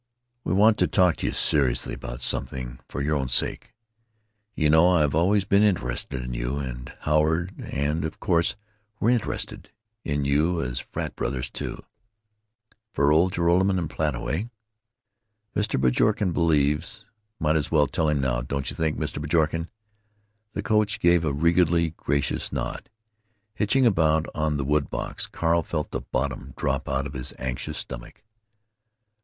"We want to talk to you seriously about something—for your own sake. You know I've always been interested in you, and Howard, and course we're interested in you as frat brothers, too. For old Joralemon and Plato, eh? Mr. Bjorken believes—might as well tell him now, don't you think, Mr. Bjorken?" The coach gave a regally gracious nod. Hitching about on the wood box, Carl felt the bottom drop out of his anxious stomach.